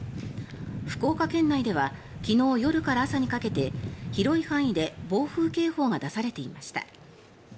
福岡県内では昨日夜から朝にかけて広い範囲で暴風警報が出されていました。